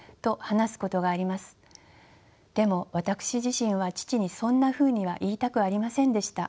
でも私自身は父にそんなふうには言いたくありませんでした。